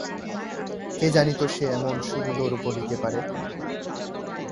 কে জানিত সে এমন সুন্দর বলিতে পারে।